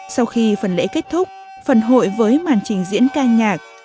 sau khi phần lễ kết thúc phần hội với màn trình diễn ca nhạc